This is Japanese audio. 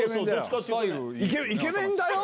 イケメンだよ！